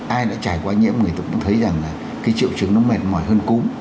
ai đã trải qua nhiễm người ta cũng thấy rằng là cái triệu chứng nó mệt mỏi hơn cũ